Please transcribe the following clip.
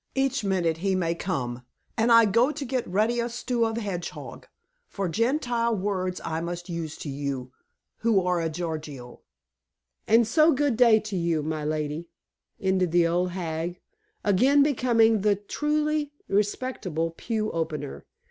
Each minute he may come, and I go to get ready a stew of hedgehog, for Gentile words I must use to you, who are a Gorgio. And so good day to you, my lady," ended the old hag, again becoming the truly respectable pew opener.